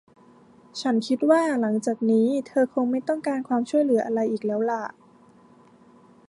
ฉันคิดว่าหลังจากนี้เธอคงไม่ต้องการความช่วยเหลืออะไรอีกแล้วล่ะ